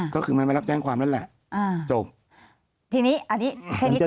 ก็คือมันไม่รับแจ้งความนั่นแหละ